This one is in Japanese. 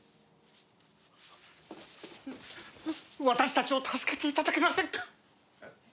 私たちを助けていただけませんか！？